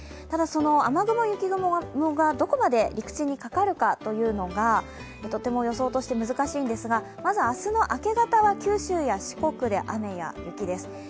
ただ、その雨雲、雪雲がどこまだ陸地にかかるかというのがとても予想として難しいんですがまず明日の明け方は九州や四国で雨や雪です。